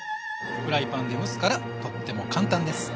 フライパンで蒸すからとっても簡単です。